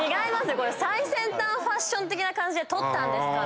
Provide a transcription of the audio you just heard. これ最先端ファッション的な感じで撮ったんですから。